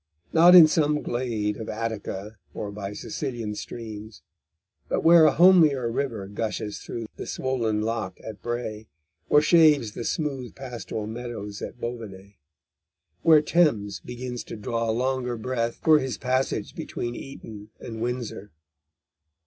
Not in some glade of Attica or by Sicilian streams, but where a homelier river gushes through the swollen lock at Bray, or shaves the smooth pastoral meadows at Boveney, where Thames begins to draw a longer breath for his passage between Eton and Windsor.